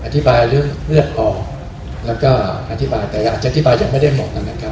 อธิบายเรื่องเลือดออกแล้วก็อธิบายแต่อาจจะอธิบายยังไม่ได้หมดนะครับ